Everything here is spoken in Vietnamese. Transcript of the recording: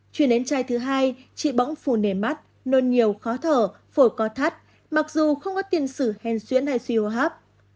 chuyên đến trai thứ hai chị bóng phù nề mắt nôn nhiều khó thở phổi co thắt mặc dù không có tiền sử hèn xuyễn hay suy hô hấp